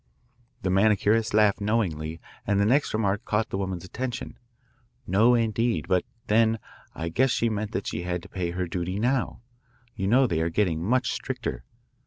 "The manicurist laughed knowingly, and the next remark caught the woman's attention. 'No, indeed. But then, I guess she meant that she had to pay the duty now. You know they are getting much stricter.